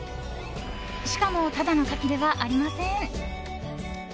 しかもただのカキではありません。